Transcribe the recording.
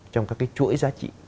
trong các cái chuỗi giá trị